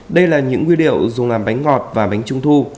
đây là những nguyên liệu dùng làm bánh ngọt và bánh trung thu